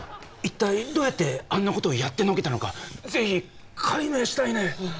一体どうやってあんなことをやってのけたのかぜひ解明したいね。